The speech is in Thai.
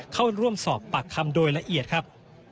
เข้าร่วมสอบปากคำโดยละเอียดครับ